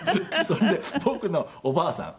それで僕のおばあさん